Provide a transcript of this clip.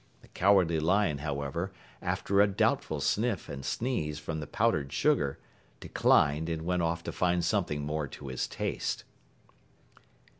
The Cowardly Lion, however, after a doubtful sniff and sneeze from the powdered sugar, declined and went off to find something more to his taste.